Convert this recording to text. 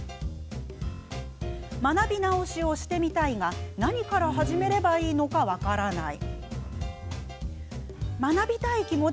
学び直しをしてみたいが何から始めればいいのか分からない。